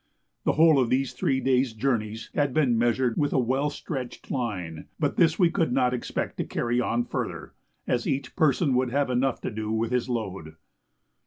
The whole of these three days' journeys had been measured with a well stretched line, but this we could not expect to carry on further, as each person would have enough to do with his load.